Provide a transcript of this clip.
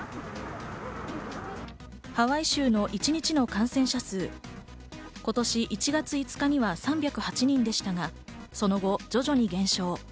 ハワイ州の一日の感染者、今年１月５日には３０８人でしたが、その後、徐々に減少。